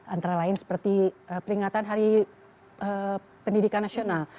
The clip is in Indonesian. antara lain seperti peringatan hari pendidikan nasional